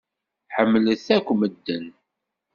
Ḥemmlet akk medden.